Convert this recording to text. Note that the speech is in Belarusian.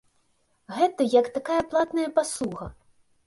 Гэта, як такая платная паслуга.